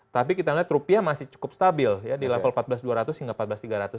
tapi kita lihat rupiah masih cukup stabil ya di level empat belas dua ratus hingga empat belas tiga ratus